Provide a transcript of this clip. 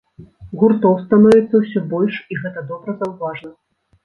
Гуртоў становіцца ўсё больш, і гэта добра заўважна.